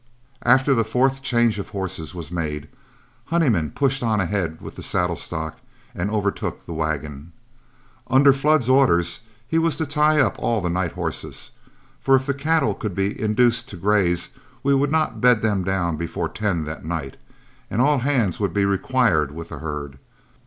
After the fourth change of horses was made, Honeyman pushed on ahead with the saddle stock and overtook the wagon. Under Flood's orders he was to tie up all the night horses, for if the cattle could be induced to graze, we would not bed them down before ten that night, and all hands would be required with the herd.